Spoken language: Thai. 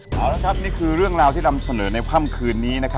เอาละครับนี่คือเรื่องราวที่นำเสนอในค่ำคืนนี้